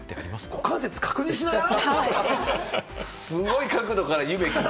股関節を確認しながら？